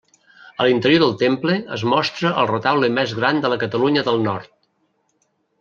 A l'interior del temple es mostra el retaule més gran de la Catalunya del Nord.